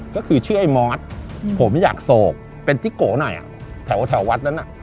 ก็คือชื่อไอ้มอสผมอยากโศกเป็นจิ๊กโกหน่อยแถววัดนั้นน่ะ